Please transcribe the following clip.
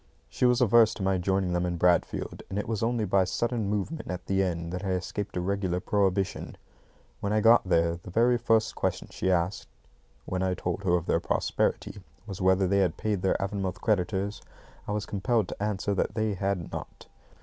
She was averse to my joining them in Bradfield, and it was only by my sudden movement at the end that I escaped a regular prohibition. When I got there, the very first question she asked (when I told her of their prosperity) was whether they had paid their Avonmouth creditors. I was compelled to answer that they had not.